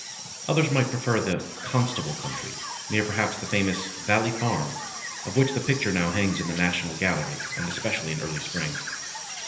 Others might prefer the "Constable country," near perhaps the famous "Valley Farm" of which the picture now hangs in the National Gallery, and especially in early spring.